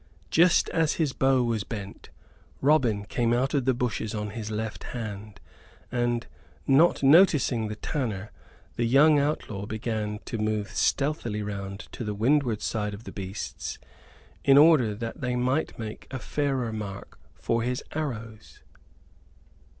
Just as his bow was bent Robin came out of the bushes on his left hand; and, not noticing the tanner, the young outlaw began to move stealthily round to the windward side of the beasts in order that they might make a fairer mark for his arrows.